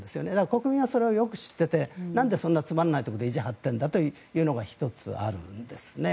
国民はそれをよく知っていてなんでそんなつまらないところで意地を張っているんだということが１つあるんですね。